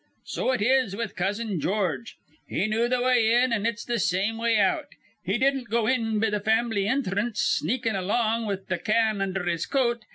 "So it is with Cousin George. He knew th' way in, an' it's th' same way out. He didn't go in be th' fam'ly inthrance, sneakin' along with th' can undher his coat.